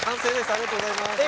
ありがとうございます。